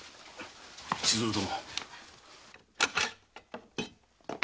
千鶴殿。